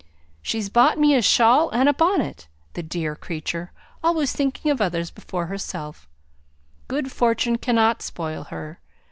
She's bought me a shawl and a bonnet! The dear creature! Always thinking of others before herself: good fortune cannot spoil her.